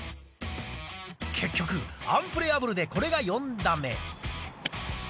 結局アンプレアブルでこれが４打目。